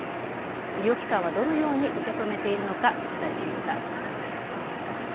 医療機関はどのように受け止めているのか取材しました。